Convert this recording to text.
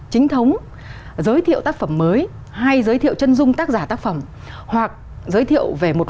chính thống giới thiệu tác phẩm mới hay giới thiệu chân dung tác giả tác phẩm hoặc giới thiệu về một